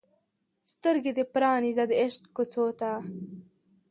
سترګې دې پرانیزه د عشق کوڅو ته